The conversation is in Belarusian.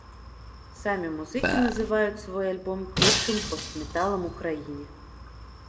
Самі музыкі называюць свой альбом першым пост-металам у краіне.